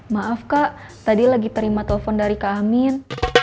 maaf kak tadi lagi terima telepon dari kak amin